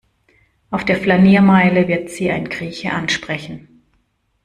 Auf der Flaniermeile wird Sie ein Grieche ansprechen.